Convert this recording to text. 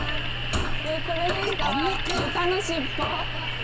これなんかは豚の尻尾。